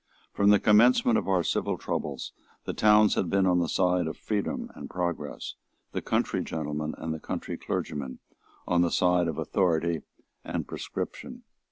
From the commencement of our civil troubles the towns had been on the side of freedom and progress, the country gentlemen and the country clergymen on the side of authority and prescription.